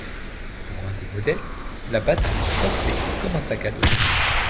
Pour un des modèles, la batterie est portée comme un sac à dos.